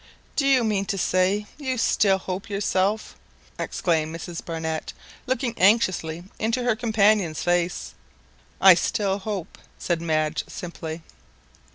"Do you mean to say you still hope yourself!" exclaimed Mrs Barnett, looking anxiously into her companion's face. "I still hope!" said Madge simply.